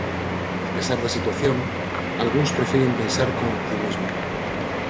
A pesar da situación, algúns prefiren pensar con optimismo.